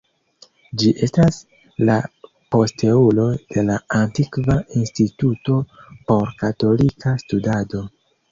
Ĝi estas la posteulo de la antikva Instituto por Katolika Studado.